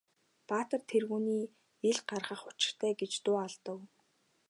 Баатар тэргүүнээ ил гаргах учиртай гэж дуу алдав.